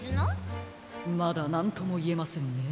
まだなんともいえませんね。